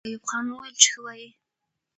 آیا ایوب خان وویل چې ښه وایي؟